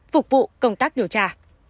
phục vụ công tác điều tra